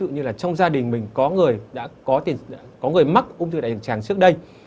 như là trong gia đình mình có người mắc ung thư đại trực tràng trước đây